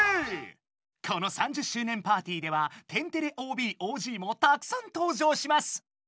この３０周年パーティーでは天てれＯＢ・ＯＧもたくさん登場します。